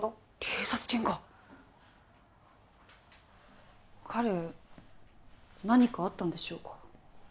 警察犬か彼何かあったんでしょうか？